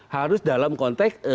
harus dalam konteks